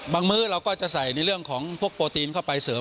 มื้อเราก็จะใส่ในเรื่องของพวกโปรตีนเข้าไปเสริม